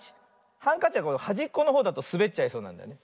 ハンカチははじっこのほうだとすべっちゃいそうなんだよね。